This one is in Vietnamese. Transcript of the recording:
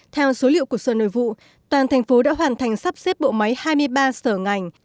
theo số liệu của sở nội vụ toàn thành phố đã hoàn thành sắp xếp bộ máy hai mươi ba sở ngành